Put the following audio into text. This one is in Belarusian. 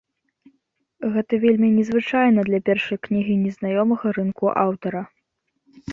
Гэта вельмі незвычайна для першай кнігі незнаёмага рынку аўтара.